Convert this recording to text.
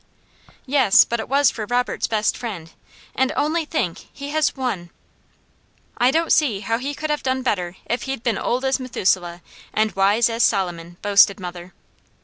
"Yes, but it was for Robert's best friend, and only think, he has won!" "I don't see how he could have done better if he'd been old as Methuselah, and wise as Solomon," boasted mother.